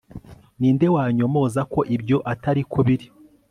ni nde wanyomoza ko ibyo atari ko biri